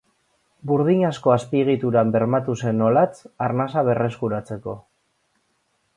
Burdinazko azpiegituran bermatu zen Olatz arnasa berreskuratzeko.